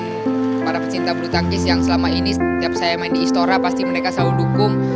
untuk para pecinta bulu tangkis yang selama ini setiap saya main di istora pasti mereka selalu dukung